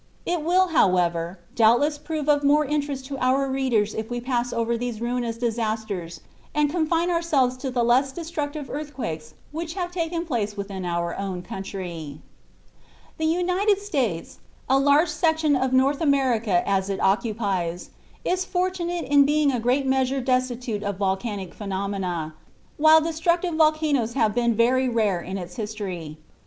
It will, however, doubtless prove of more interest to our readers if we pass over these ruinous disasters and confine ourselves to the less destructive earthquakes which have taken place within our own country. The United States, large a section of North America as it occupies, is fortunate in being in a great measure destitute of volcanic phenomena, while destructive earthquakes have been very rare in its history.